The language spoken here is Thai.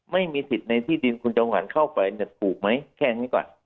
ไม่มีสิทธิ์ในที่ดินคุณจำหวันเข้าไปเนี่ยถูกไหมแค่นี้ก่อน